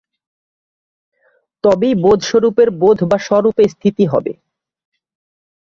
তবেই বোধস্বরূপের বোধ বা স্ব-স্বরূপে স্থিতি হবে।